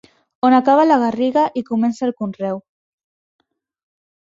On acaba la garriga i comença el conreu.